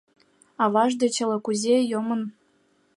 Аваж деч ала-кузе йомын.